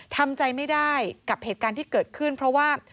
ทำใจไม่ได้กับเหตุการณ์ที่เกิดขึ้นเพราะว่า